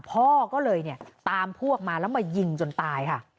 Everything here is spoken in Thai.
พ่อก็เลยเนี่ยตามพวกมาแล้วมายิงจนตายค่ะ